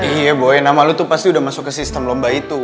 iya buaya nama lo tuh pasti udah masuk ke sistem lomba itu